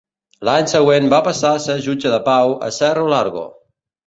L'any següent va passar a ser jutge de Pau a Cerro Largo.